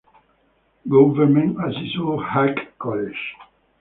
Government Azizul Haque College.